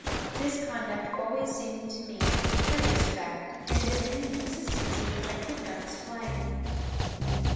This conduct always seemed to me a curious fact, and an inconsistency which I could not explain.